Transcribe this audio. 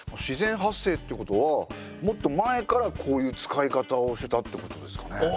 自然発生ってことはもっと前からこういう使い方をしてたってことですかね？